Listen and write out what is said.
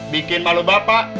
bikin malu bapak